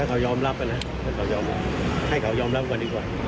ถ้าเขายอมรับกันนะให้เขายอมรับกว่านิดกว่า